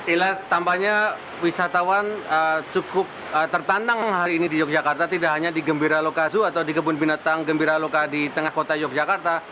ila tampaknya wisatawan cukup tertandang hari ini di yogyakarta tidak hanya di gembira lokazu atau di kebun binatang gembira loka di tengah kota yogyakarta